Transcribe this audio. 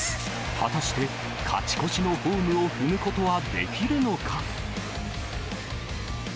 果たして、勝ち越しのホームを踏むことはできるのか。